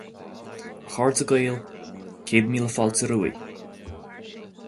A chairde Gael, céad míle fáilte romhaibh.